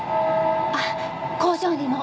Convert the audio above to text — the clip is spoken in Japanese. あっ工場にも。